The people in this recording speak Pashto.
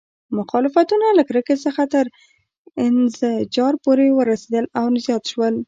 مخالفتونه له کرکې څخه تر انزجار پورې ورسېدل او زیات شول.